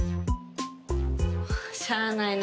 しゃあないな。